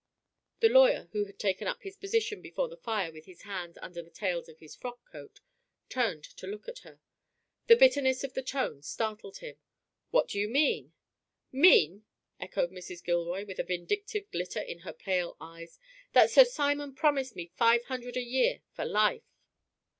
The lawyer, who had taken up his position before the fire with his hands under the tails of his frock coat, turned to look at her. The bitterness of the tone startled him. "What do you mean?" "Mean!" echoed Mrs. Gilroy, with a vindictive glitter in her pale eyes. "That Sir Simon promised me five hundred a year for life."